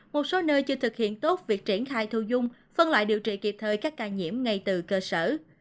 một số nơi chưa thực hiện tốt việc triển khai thu dung phân loại điều trị kịp thời các ca nhiễm ngay từ cơ sở